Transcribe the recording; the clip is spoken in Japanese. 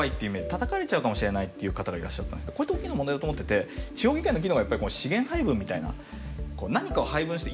たたかれちゃうかもしれないっていう方がいらっしゃったんですけどこれって大きな問題だと思ってて地方議会の議論がやっぱり資源配分みたいな何かを配分して。